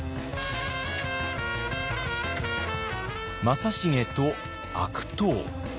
正成と悪党。